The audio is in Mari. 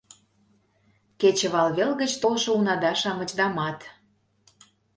Кечывалвел гыч толшо унада-шамычдамат...